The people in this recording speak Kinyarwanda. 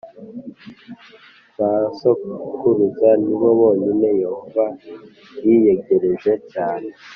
Ba sokuruza ni bo bonyine Yehova yiyegereje cyane